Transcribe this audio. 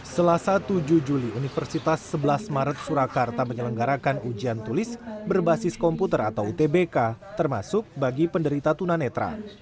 selasa tujuh juli universitas sebelas maret surakarta menyelenggarakan ujian tulis berbasis komputer atau utbk termasuk bagi penderita tunanetra